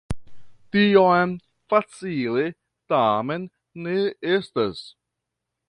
Tiom facile tamen ne estas.